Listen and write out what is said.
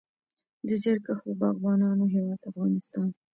د زیارکښو باغبانانو هیواد افغانستان.